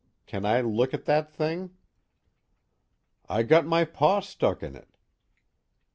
Can I look at that thing?" "I got my paw stuck in it."